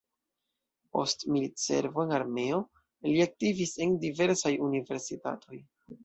Post militservo en armeo, li aktivis en diversaj universitatoj.